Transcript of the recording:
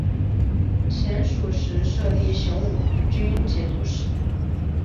前蜀时设立雄武军节度使。